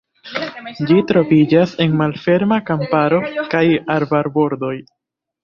Ĝi troviĝas en malferma kamparo kaj arbarbordoj.